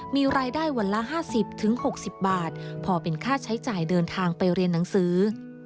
มีรายได้วันละ๕๐๖๐บาทพอเป็นค่าใช้จ่ายเดินทางไปเรียนหนังสือ